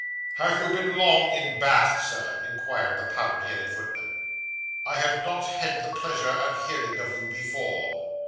'Have you been long in Bath, sir?' inquired the powdered headed footman. 'I have not had the pleasure of hearing of you before.